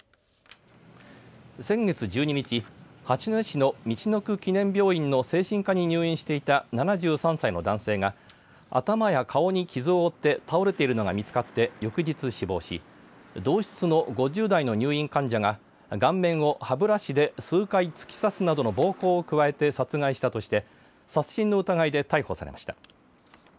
先月１２日八戸市のみちのく記念病院の精神科に入院していた７３歳の男性が頭や顔に傷を負って倒れているのが見つかって翌日死亡し同室の５０代の入院患者が顔面を歯ブラシで数回突き刺すなどの暴行を加えて殺害したとして殺人の疑いで逮捕されました。